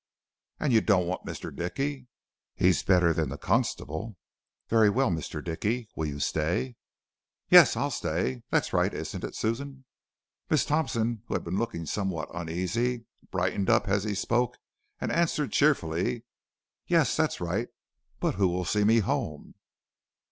"'And you don't want Mr. Dickey?' "'He's better than the constable.' "'Very well; Mr. Dickey, will you stay?' "'Yes, I'll stay; that's right, isn't it, Susan?' "Miss Thompson who had been looking somewhat uneasy, brightened up as he spoke and answered cheerfully: "'Yes, that's right. But who will see me home?'